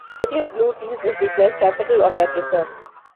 The city of Bluefields was declared capital of that Reserve.